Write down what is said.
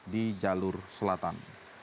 di jalur selatan